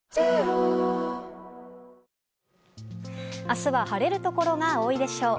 明日は、晴れるところが多いでしょう。